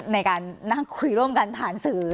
ในการนั่งคุยร่วมกันผ่านสื่อ